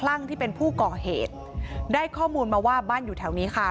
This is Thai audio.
ลั่งที่เป็นผู้ก่อเหตุได้ข้อมูลมาว่าบ้านอยู่แถวนี้ค่ะ